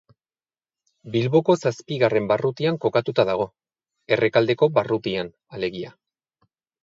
Bilboko zazpigarren barrutian kokatuta dago, Errekaldeko barrutian alegia.